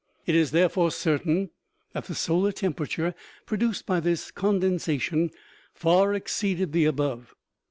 It is, therefore, certain that the solar temperature produced by this condensation far exceeded the above.